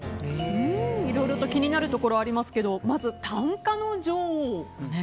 いろいろと気になるところありますけどまず単価の女王。